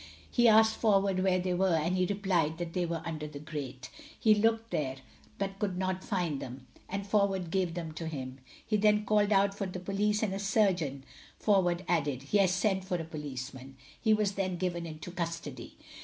He asked Forward where they were, and he replied that they were under the grate. He looked there, but could not find them, and Forward then gave them to him. He then called out to send for the police and a surgeon. Forward added, "Yes; send for a policeman." He was then given into custody.